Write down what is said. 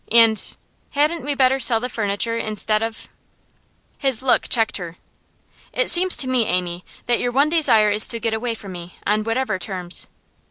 And hadn't we better sell the furniture, instead of ' His look checked her. 'It seems to me, Amy, that your one desire is to get away from me, on whatever terms.